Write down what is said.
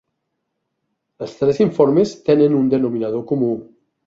Els tres informes tenen un denominador comú.